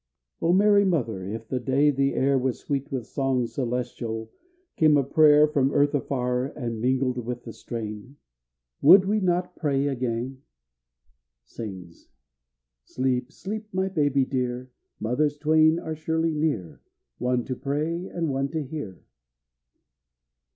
O Mary, Mother, if the day the air Was sweet with songs celestial, came a prayer From earth afar and mingled with the strain, Would we not pray again? Sleep, sleep, my baby dear, Mothers twain are surely near, One to pray and one to hear.